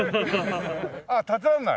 ああ建てられない？